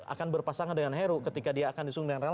akan berpasangan dengan heru ketika dia akan disuruh dengan relawan